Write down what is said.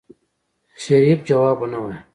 شريف ځواب ونه وايه.